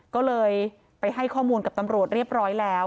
ก็เลยไปให้ข้อมูลกับตำรวจเรียบร้อยแล้ว